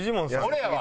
俺やわ。